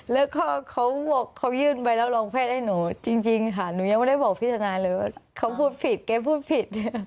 แล้วก็เขายื่นใบรับรองแพทย์ให้หนูจริงค่ะหนูยังไม่ได้บอกพิจารณาเลยว่าเขาพูดผิดแกพูดผิด